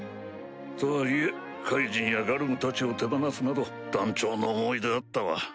とはいえカイジンやガルムたちを手放すなど断腸の思いであったわ。